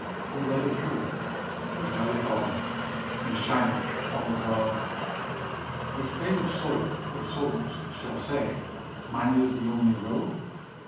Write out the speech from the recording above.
O Light of Truth, which lighteneth all, And shineth all abroad, What favored soul or souls shall say, " Mine is the only road?